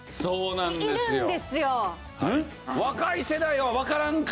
若い世代はわからんか。